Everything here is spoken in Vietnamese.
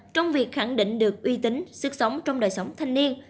trong việc khẳng định được uy tín sức sống trong đời sống thanh niên